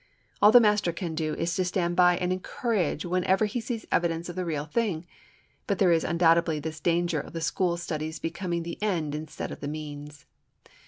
All the master can do is to stand by and encourage whenever he sees evidence of the real thing. But there is undoubtedly this danger of the school studies becoming the end instead of the means.